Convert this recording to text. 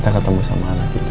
kita ketemu sama anak kita